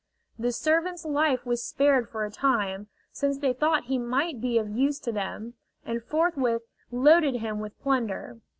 The servant's life was spared for a time, since they thought he might be of use to them, and forthwith loaded him with plunder.